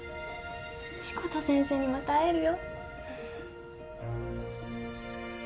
志子田先生にまた会えるよ。